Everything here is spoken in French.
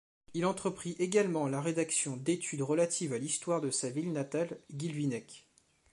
Il entreprit également la rédaction d’études relatives à l’Histoire de sa ville natale, Guilvinec.